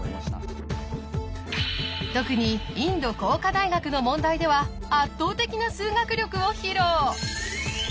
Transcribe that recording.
特にインド工科大学の問題では圧倒的な数学力を披露！